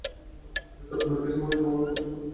অন্যদিকে সিঙ্গাপুরে জন্মগ্রহণকারী কলিন ব্যবসায়ে সম্পৃক্ত।